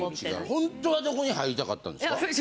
ほんとはどこに入りたかったんですか？